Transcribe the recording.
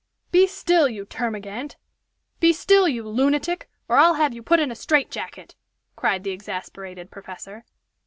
"Be still, you termagant. Be still, you lunatic, or I'll have you put in a strait jacket!" cried the exasperated professor.